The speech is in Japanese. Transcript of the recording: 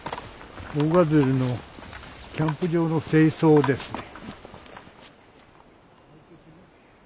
坊ガツルのキャンプ場の清掃ですね。